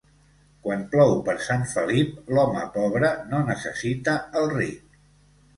Quan plou per Sant Felip, l'home pobre no necessita el ric.